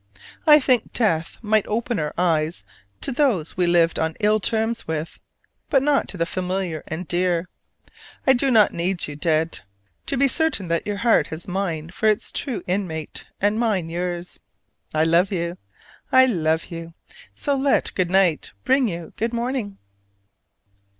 I think death might open our eyes to those we lived on ill terms with, but not to the familiar and dear. I do not need you dead, to be certain that your heart has mine for its true inmate and mine yours. I love you, I love you: so let good night bring you good morning!